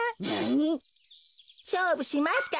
しょうぶしますか？